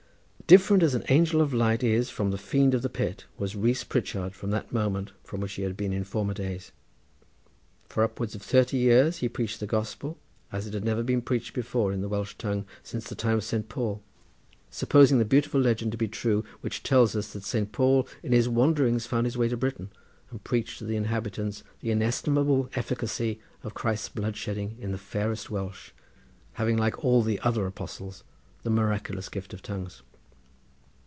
Different as an angel of light is from the fiend of the pit was Rees Pritchard from that moment from what he had been in former days. For upwards of thirty years he preached the Gospel as it had never been preached before in the Welsh tongue since the time of Saint Paul, supposing the beautiful legend to be true which tells us that Saint Paul in his wanderings found his way to Britain and preached to the inhabitants the inestimable efficacy of Christ's blood shedding in the fairest Welsh, having like all the other apostles the miraculous gift of tongues.